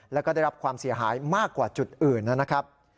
แล้วก็ได้รับความเสียหายมากกว่าจุดอื่นนะครับ